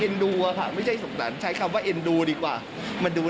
ดูอะค่ะไม่ใช่สุขสรรค์ใช้คำว่าเอ็นดูดีกว่ามาดู